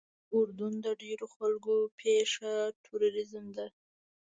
د اردن د ډېرو خلکو پیشه ټوریزم ده.